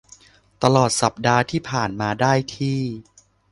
ตลอดสัปดาห์ที่ผ่านมาได้ที่